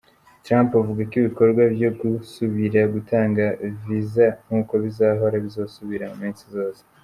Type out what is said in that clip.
Trump avuga ko ibikorwa vyo gusubira gutanga viza nkuko vyahora bizosubira mu minsi izoza.